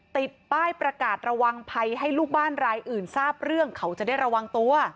ติดป้ายประกาศระวังภัยให้ลูกบ้านรายอื่นทราบเรื่องเขาจะได้ระวังตัว